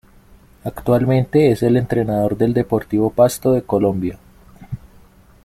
Actualmente es el entrenador del Deportivo Pasto de Colombia.